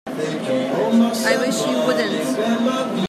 I wish you wouldn't.